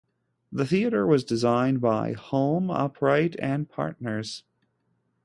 The theatre was designed by Hulme Upright and Partners.